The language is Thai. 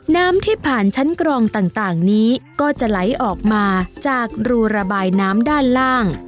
น้ำที่ผ่านชั้นกรองต่างนี้ก็จะไหลออกมาจากรูระบายน้ำด้านล่าง